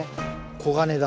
黄金だ。